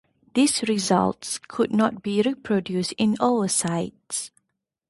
These results could not be reproduced in oocytes.